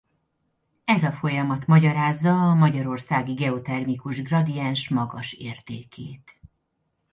Ez a folyamat magyarázza a magyarországi geotermikus gradiens magas értékét.